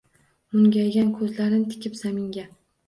Mung’aygan ko’zlarin tikib zaminga